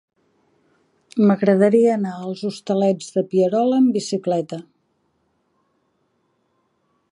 M'agradaria anar als Hostalets de Pierola amb bicicleta.